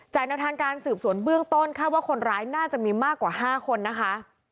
แนวทางการสืบสวนเบื้องต้นคาดว่าคนร้ายน่าจะมีมากกว่า๕คนนะคะ